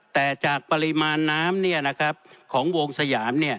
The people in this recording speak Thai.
แต่จากปริมาณน้ำของวงสยาม